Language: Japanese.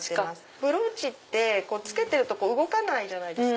ブローチって着けてると動かないじゃないですか。